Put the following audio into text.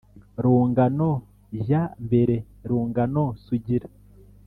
rungano jya mbere, rungano sugira